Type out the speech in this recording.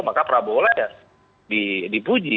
maka prabowo lah ya dipuji